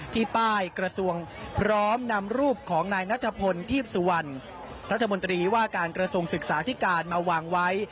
ที่ป้ายกระทรวงพร้อมนำรูปของนายนัทพลทีพสุวรรณรัฐมนตรีว่าการกระทรวงศึกษาที่การมาวางไว้